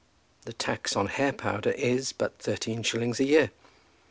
The tax on hair powder is but thirteen shillings a year.